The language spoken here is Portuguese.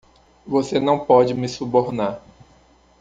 Você não pode me subornar.